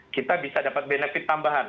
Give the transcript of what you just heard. kita bisa dapat benefit tambahan